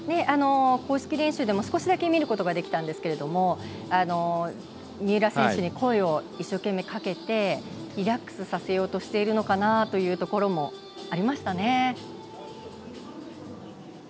公式練習でも少しだけ見ることができたんですが三浦選手に声を一生懸命かけてリラックスさせようとしているところもありましたね。